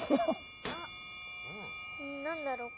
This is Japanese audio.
何だろう？